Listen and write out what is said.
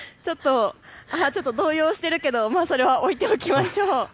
ちょっと動揺してるけど、それは置いておきましょう。